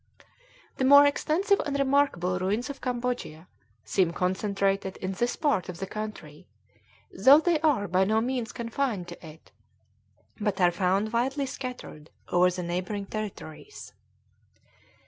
The more extensive and remarkable ruins of Cambodia seem concentrated in this part of the country, though they are by no means confined to it, but are found widely scattered over the neighboring territories.